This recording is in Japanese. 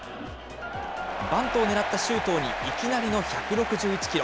バントを狙った周東に、いきなりの１６１キロ。